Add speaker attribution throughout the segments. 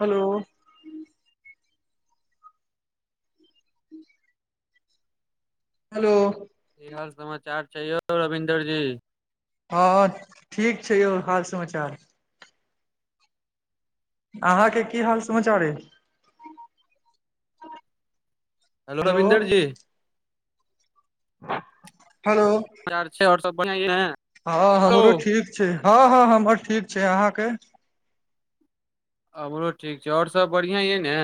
Speaker 1: hello hello
Speaker 2: की हाल समाचार छै यौ रविन्द्र जी
Speaker 1: हँ हँ ठीक छै यौ हाल समाचार अहाँके की हाल समाचार ए
Speaker 2: हेलो रविन्द्र जी
Speaker 1: हलो
Speaker 2: की हाल छै आओर सब बढ़िया ने
Speaker 1: हँ हमरो ठीक छै हँ हँ हमर ठीक छै अहाँकेँ
Speaker 2: हमरो ठीक छै आओर सब बढ़िया यई ने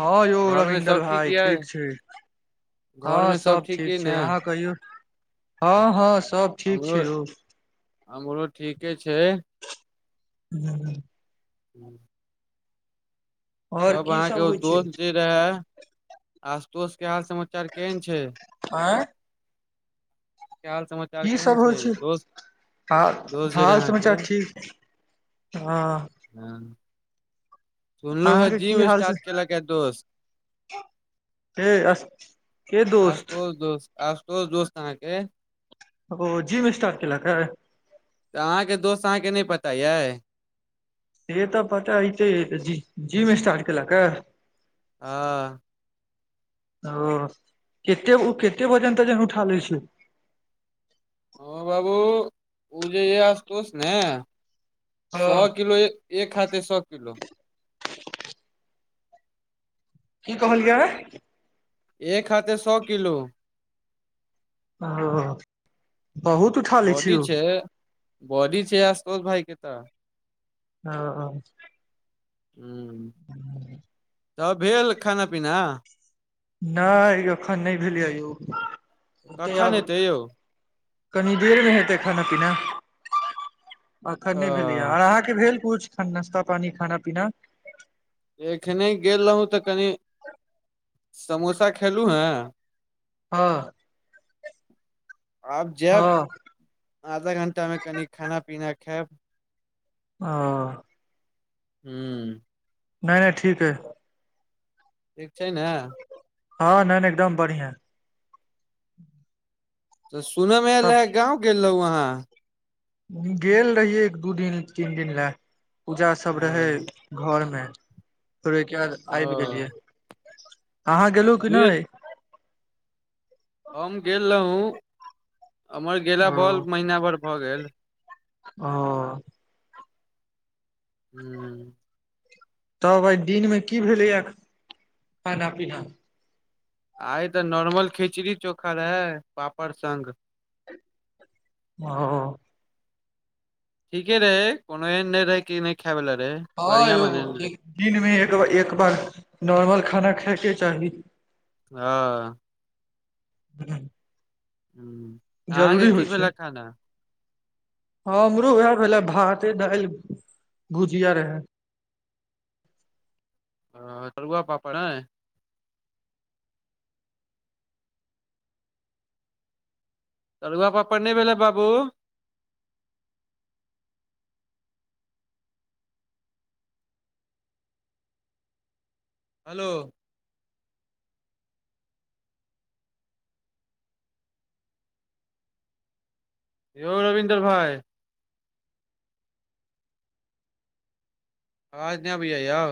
Speaker 1: हँ यौ
Speaker 2: घरमे
Speaker 1: रविन्द्र
Speaker 2: सब
Speaker 1: भाई
Speaker 2: ये
Speaker 1: ठीक छै हँ
Speaker 2: घरमे
Speaker 1: सब ठीक
Speaker 2: ये
Speaker 1: छै
Speaker 2: ने
Speaker 1: अहाँ कहियौ हँ हँ सब ठीक
Speaker 2: हमरो
Speaker 1: छै यौ
Speaker 2: हमरो ठीके छै
Speaker 1: [inaudible]
Speaker 2: [inaudible]
Speaker 1: और
Speaker 2: तब
Speaker 1: की
Speaker 2: अहाँकेँ
Speaker 1: सब
Speaker 2: ओ
Speaker 1: होइ छै
Speaker 2: दोस्त जे रहै आसतोष केँ हाल समाचार केहेन छै
Speaker 1: आँय
Speaker 2: की हाल सम
Speaker 1: की सब होइ छै हा
Speaker 2: दोस्त
Speaker 1: -
Speaker 2: जे रहे
Speaker 1: हाल
Speaker 2: अहाँके
Speaker 1: समाचार ठीक हँ
Speaker 2: हुँ सुनलअ हे
Speaker 1: अहाँके की
Speaker 2: जिम
Speaker 1: हाल छै
Speaker 2: स्टार्ट केलक यऽ दोस्त
Speaker 1: केँ अस केँ दोस्त
Speaker 2: आस्तोस दोस्त अहाँकेँ
Speaker 1: ओ जीम स्टाट कलक हे
Speaker 2: तऽ अहाँके दोस्त अहाँकेँ नय पता अइ
Speaker 1: से तऽ पता हते अइ जि - जिम स्टार्ट केलक ए
Speaker 2: हँ
Speaker 1: ओ कते उ कते वजन तजन उठा लै छै
Speaker 2: हँ बाबू उ जे यऽ आसतौस ने
Speaker 1: ह
Speaker 2: सौ किलो एक हाथे सौ किलो
Speaker 1: की कहलियै
Speaker 2: एक हाथे सौ किलो
Speaker 1: ओ बहुत उठा लै छी
Speaker 2: बॉडी
Speaker 1: ओ
Speaker 2: छै बॉडी छै आसतोस भाई केँ तऽ
Speaker 1: अ ओ
Speaker 2: हुँ तब भेल खाना पीना
Speaker 1: नाय यौ अखन नय भेलैय यौ हेतै
Speaker 2: कखन
Speaker 1: आब
Speaker 2: एतै यौ
Speaker 1: कनी देर मे हेते खाना पीना
Speaker 2: अ,
Speaker 1: अखन नय भेलै य अहाँकेँ भेल कछु नास्ता पानी खाना पीना
Speaker 2: एखने गेल रहू तऽ कनि समोसा खेलहुँ हे
Speaker 1: हँ
Speaker 2: आब जैब
Speaker 1: हँ
Speaker 2: आधा घण्टा मे कनि खाना पीना खैब
Speaker 1: ओ
Speaker 2: हुँ
Speaker 1: नय नय ठीक एय
Speaker 2: ठीक छै ने
Speaker 1: हँ नय - नय एकदम बढ़िया
Speaker 2: तऽ सुनयमे आयले
Speaker 1: सब
Speaker 2: गाँंव गेल रहुँ अहाँ
Speaker 1: गेल रहियै एक दू दिन तीन दिन लऽ पूजा सभ रहै
Speaker 2: ओ
Speaker 1: घर मे फेर ओहिके बाद आबि गेलियै
Speaker 2: ओ
Speaker 1: अहाँ गेलहु कि
Speaker 2: दूए
Speaker 1: नय
Speaker 2: हम गेल रहौ हमर गेला
Speaker 1: ओ
Speaker 2: बर महीना भर भऽ गेल
Speaker 1: ओ
Speaker 2: हुँ
Speaker 1: तब आइ दिनमे की भेलैए खाना पीना
Speaker 2: आइ तऽ नॉर्मल खिचड़ी चोखा रहे पापड़ संग
Speaker 1: ओ
Speaker 2: ठीके रहे कोनो एहन नय रहै कि नय खाय वला रहै
Speaker 1: हँ यौ एक दिन मे एक बार नॉर्मल खाना खायके चाही
Speaker 2: हँ
Speaker 1: हुँ
Speaker 2: हुँ अहाँके की
Speaker 1: होइ छै
Speaker 2: भेलै खाना
Speaker 1: हँ हमरो उएह भेलै भाते दालि भुजिया रहै
Speaker 2: तरुआ पापड़ नय तरुआ पापड़ नय भेलै बाबू हेलो यौ रवीन्द्र भाई आबाज नय अबैये यौ